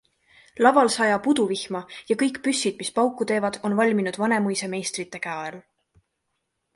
Laval sajab uduvihma ja kõik püssid, mis pauku teevad, on valminud Vanemuise meistrite käe all.